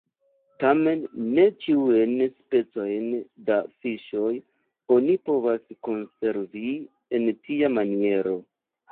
Tamen ne ĉiujn specojn da fiŝoj oni povas konservi en tia maniero.